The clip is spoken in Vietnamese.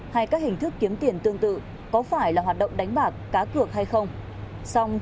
hay các hình thức kiếm tiền tương tự có phải là hoạt động đánh bạc cá cược hay không